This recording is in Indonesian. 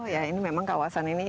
ya ini memang kawasan ini